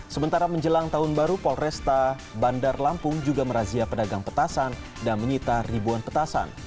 sementara menjelang tahun baru polresta bandar lampung juga merazia pedagang petasan dan menyita ribuan petasan